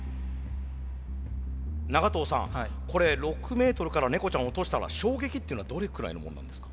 長藤さんこれ６ｍからネコちゃん落としたら衝撃っていうのはどれくらいのものなんですか？